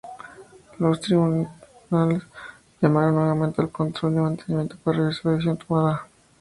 Los tripulantes llamaron nuevamente al control de mantenimiento para revisar la decisión tomada.